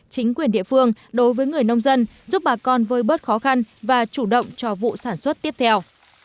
chính quyền địa phương đối với người nông dân giúp bà con vơi bớt khó khăn và chủ động cho vụ sản xuất tiếp theo